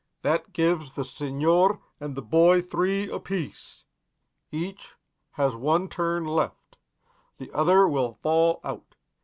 "That gives the señor and the boy three apiece. Each has one turn left. The others will fall out.